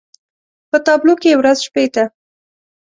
په تابلو کې يې ورځ شپې ته